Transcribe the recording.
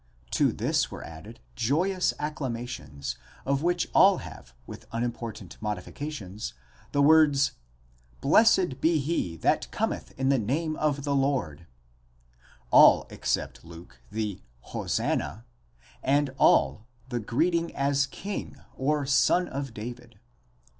To this were added joyous acclamations, of which all have, with unimportant modifications, the words εὐλογημένος ὃ ἐρχόμενος ἐν ὀνόματι Κυρίου, Blessed be he that cometh in the name of the Lord; all except Luke the ὡσαννὰ, Hosanna ; and all, the greeting as King, or Son of David.